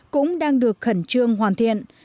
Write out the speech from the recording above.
cũng đang được khẩn trương hoàn thiện